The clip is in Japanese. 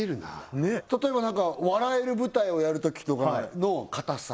例えば笑える舞台をやるときとかの硬さ